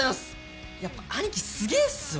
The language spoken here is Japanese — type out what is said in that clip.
やっぱアニキすげえっすわ。